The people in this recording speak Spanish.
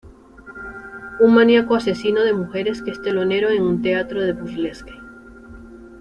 Un maníaco asesino de mujeres que es telonero en un teatro de burlesque.